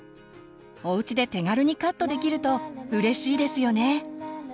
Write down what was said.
おうちで手軽にカットできるとうれしいですよね。